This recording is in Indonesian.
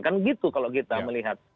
kan gitu kalau kita melihat